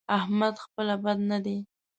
احمد خپله بد نه دی؛